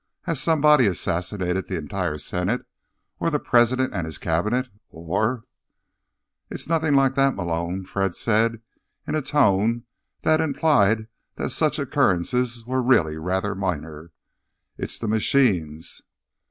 Has somebody assassinated the entire senate? Or the president and his cabinet? Or—" "It's nothing like that, Malone," Fred said, in a tone that implied that such occurrences were really rather minor. "It's the machines."